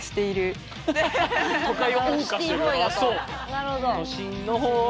なるほど。